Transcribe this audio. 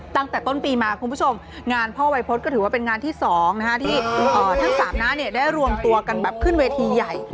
ตั้งแต่ต้นปีมาคุณผู้ชมงานพ่อวัยพฤษก็ถือว่าเป็นงานที่๒ที่ทั้งสามน้าได้รวมตัวกันแบบขึ้นเวทีใหญ่